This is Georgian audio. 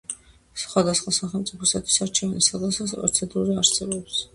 სხვადასხვა სახელმწიფოსთვის არჩევნების სხვადასხვა პროცედურა არსებობს.